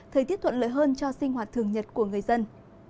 thời tiết thuận lợi hơn cho sinh hoạt thường nhật của người dân